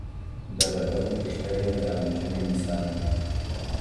دا د بل غوښتلې ځان وژني مثال دی.